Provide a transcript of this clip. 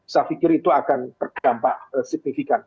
saya pikir itu akan berdampak signifikan